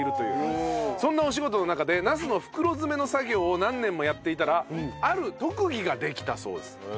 そんなお仕事の中でナスの袋詰めの作業を何年もやっていたらある特技ができたそうです。